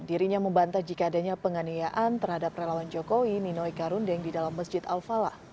dirinya membantah jika adanya penganiayaan terhadap relawan jokowi ninoi karundeng di dalam masjid al falah